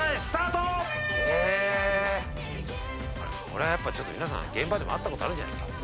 これは皆さん現場でも会ったことあるんじゃないですか。